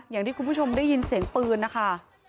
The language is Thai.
อย่างที่คุณผู้ชมได้ยินเสียงปืนนะคะ